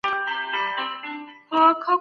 مڼه د اوسپنې اندازه متوازنه ساتي.